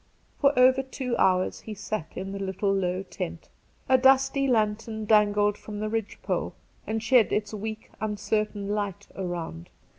. For over two hours he sat in the little low tent ; a dusty lantern dangled from the ridge pole and shed its weak, uncertain light around.